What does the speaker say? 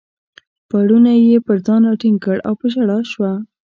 پوړنی یې پر ځان راټینګ کړ او په ژړا شوه.